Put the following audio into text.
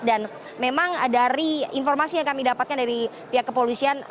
dan memang dari informasi yang kami dapatkan dari pihak kepolisian